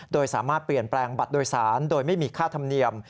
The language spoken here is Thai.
โดยสามารถเปลี่ยนแปลงบัตรโดยสารโดยไม่มีค่าธรรมเนียม